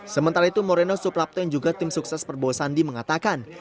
sementara itu moreno suprapto yang juga tim sukses prabowo sandi mengatakan